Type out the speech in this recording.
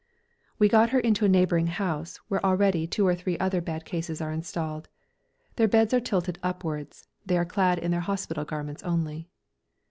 We got her into a neighbouring house, where already two or three other bad cases are installed. Their beds are tilted upwards, they are clad in their hospital garments only.